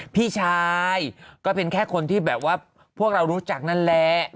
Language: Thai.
พี่ชายก็เป็นแค่คนที่แบบว่าพวกเรารู้จักนั่นแหละ